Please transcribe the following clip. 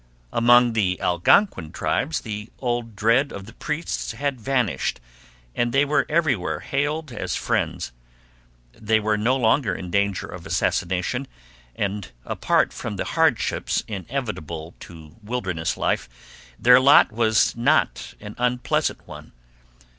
Among the Algonquin tribes the old dread of the priests had vanished and they were everywhere hailed as friends. They were no longer in danger of assassination, and, apart from the hardships inevitable to wilderness life, their lot was not an unpleasant one.